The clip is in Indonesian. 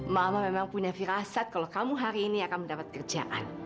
mama memang punya firasat kalau kamu hari ini akan mendapat kerjaan